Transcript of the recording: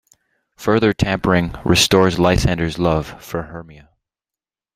Further tampering restores Lysander's love for Hermia.